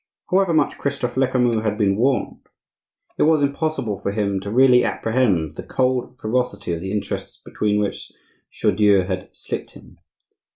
However much Christophe Lecamus had been warned, it was impossible for him to really apprehend the cold ferocity of the interests between which Chaudieu had slipped him.